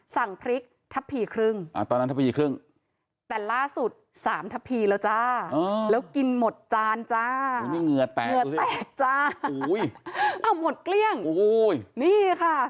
สั่งพริกทับผีครึ่งแต่ล่าสุด๓ทับผีแล้วจ้าแล้วกินหมดจานจ้าเหงื่อแตกจ้าเอ้าหมดเกลี้ยงนี่ค่ะ